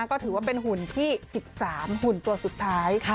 ก็ถือว่าเป็นหุ่นที่๑๓หุ่นตัวสุดท้าย